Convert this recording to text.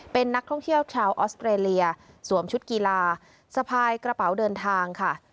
เป็นนักท่องเที่ยวชาวออสเตรเลียสวมชุดกีฬาสะพายกระเป๋าเดินทางค่ะ